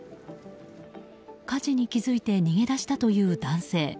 火事に気付いて逃げ出したという男性。